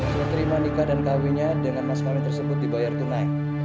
saya terima nikah dan kawinnya dengan mas kawin tersebut dibayar tunai